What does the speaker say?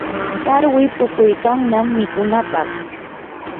tarwi puquykannam mikunapaq.